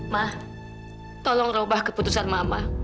ma tolong ubah keputusan mama